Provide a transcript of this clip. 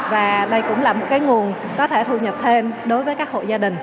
và đây cũng là một cái nguồn có thể thu nhập thêm đối với các hộ gia đình